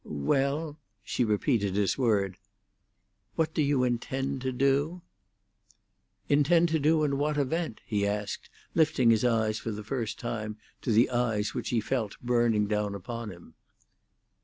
"Well"—she repeated his word—"what do you intend to do?" "Intend to do in what event?" he asked, lifting his eyes for the first time to the eyes which he felt burning down upon him.